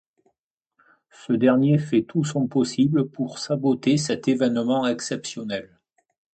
Ce dernier fait tout son possible pour saboter cet évènement exceptionnel.